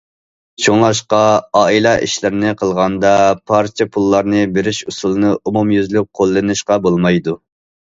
شۇڭلاشقا، ئائىلە ئىشلىرىنى قىلغاندا پارچە پۇللارنى بېرىش ئۇسۇلىنى ئومۇميۈزلۈك قوللىنىشقا بولمايدۇ.